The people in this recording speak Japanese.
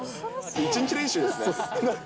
１日練習ですね。